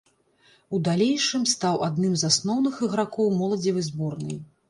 У далейшым стаў адным з асноўных ігракоў моладзевай зборнай.